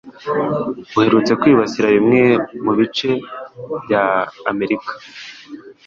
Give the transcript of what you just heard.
uherutse kwibasira bimwe mu bice bya Amerika.